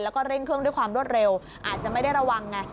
แล้วก็เร่งเครื่องด้วยความรวดเร็วอาจจะไม่ได้ระวังไง